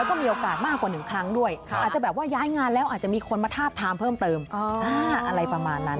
แล้วก็มีโอกาสมากกว่า๑ครั้งด้วยอาจจะแบบว่าย้ายงานแล้วอาจจะมีคนมาทาบทามเพิ่มเติมอะไรประมาณนั้น